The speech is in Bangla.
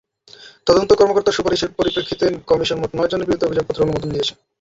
তদন্ত কর্মকর্তার সুপারিশের পরিপ্রেক্ষিতে কমিশন মোট নয়জনের বিরুদ্ধে অভিযোগপত্র অনুমোদন দিয়েছে।